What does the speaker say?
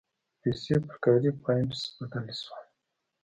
پیسې پر کاري پاینټس بدل شول.